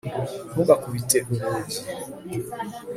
ntugakubite urugi